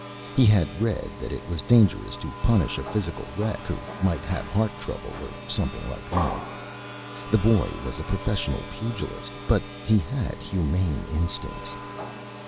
He had read that it was Dangerous to punish a Physical Wreck, who might have Heart Trouble or something like that. The Boy was a Professional Pugilist, but he had Humane Instincts.